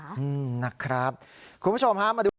อืมนะครับคุณผู้ชมฮะมาดู